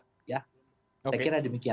saya kira demikian